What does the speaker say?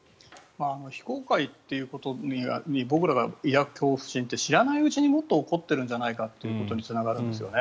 非公開ということに僕らが抱く恐怖心って知らないうちにもっと起こってるんじゃないかということにつながるんですよね。